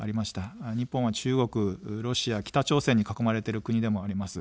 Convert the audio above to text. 日本は中国、ロシア、北朝鮮に囲まれている国でもあります。